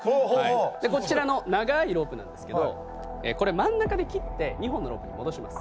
こちらの長いロープなんですけどこれ真ん中で切って２本のロープに戻します。